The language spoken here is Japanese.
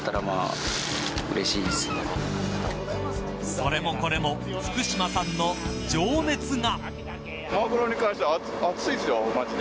それもこれも福島さんの情熱が。